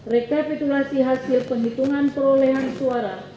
rekapitulasi hasil penghitungan perolehan suara